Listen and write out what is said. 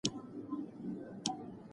د قمرۍ مښوکه د نري خلي لپاره ډېره وړه وه.